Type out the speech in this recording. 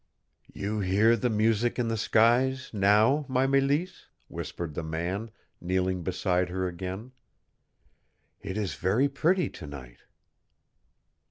"You hear the music in the skies now, my Mélisse?" whispered the man, kneeling beside her again. "It is very pretty to night!"